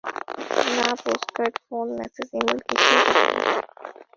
না, postcard, phone, message, email, কিছুই পাঠায় না।